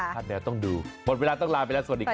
ท่านแนวต้องดูหมดเวลาต้องลาไปแล้วสวัสดีครับ